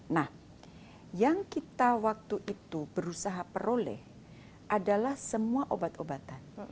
nah yang kita waktu itu berusaha peroleh adalah semua obat obatan